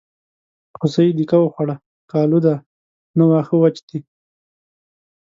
هوسۍ دیکه وخوړه ښکالو ده نه واښه وچ دي.